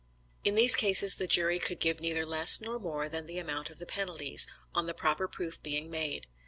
In these cases the jury could give neither less nor more than the amount of the penalties, on the proper proof being made.